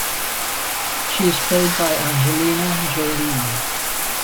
She is played by Angelina Jolie.